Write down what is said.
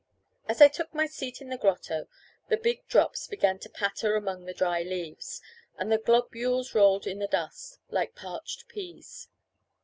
As I took my seat in the grotto, the big drops began to patter among the dry leaves, and the globules rolled in the dust, like parched peas.